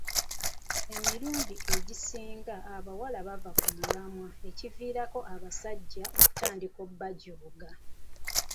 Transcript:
Emirundi egisinga abawala bava ku mulamwa ekiviirako abasajja okutandika okubajooga.